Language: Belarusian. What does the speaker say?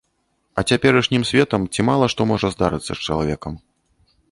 А цяперашнім светам ці мала што можа здарыцца з чалавекам.